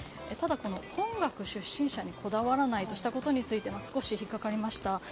ただ、本学出身者にこだわらないとしたことについて少し引っかかりました。